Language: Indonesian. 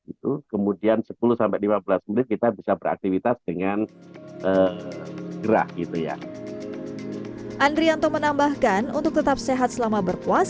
itu kemudian sepuluh lima belas menit kita bisa beraktivitas dengan gerak itu ya andrianto menambahkan untuk tetap sehat selama berada di rumah